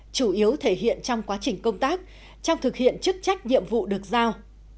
chủ yếu thể hiện trong quá trình công tác trong thực hiện chức trách nhiệm vụ được giao